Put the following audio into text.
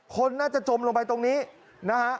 คนน่าจะจมลงไปตรงนี้นะฮะ